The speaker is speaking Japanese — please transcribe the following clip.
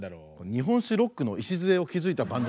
日本酒ロックの礎を築いたバンドと。